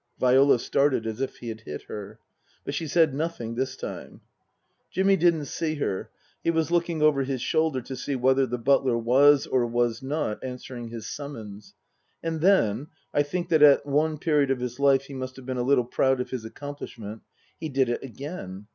Viola started as if he had hit her. But she said nothing this time. Jimmy didn't see her. He was looking over his shoulder to see whether the butler was or was not answering his summons. And then I think that at one period of his life he must have been a little proud of his accomplishment he did it again.